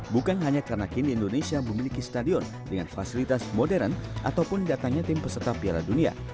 bukan hanya karena kini indonesia memiliki stadion dengan fasilitas modern ataupun datangnya tim peserta piala dunia